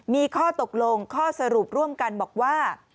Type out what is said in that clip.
มีข้อตกลงข้อสรุปร่วมกันบอกว่า